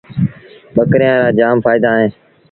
ٻڪريآݩ رآ جآم ڦآئيدآ اوهيݩ ۔